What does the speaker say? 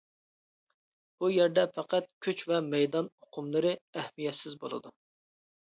بۇ يەردە پەقەت «كۈچ» ۋە «مەيدان» ئۇقۇملىرى ئەھمىيەتسىز بولىدۇ.